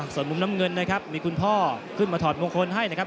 ส่วนมุมน้ำเงินนะครับมีคุณพ่อขึ้นมาถอดมงคลให้นะครับ